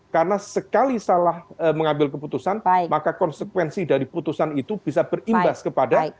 karena sekali salah mengambil keputusan maka konsekuensi dari keputusan itu bisa berimbas kepada